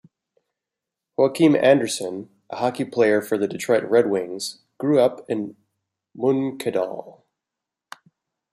Joakim Andersson, a hockey player for the Detroit Redwings, grew up in Munkedal.